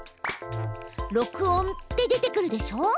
「録音」って出てくるでしょ？